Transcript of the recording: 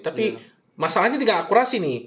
tapi masalahnya tinggal akurasi nih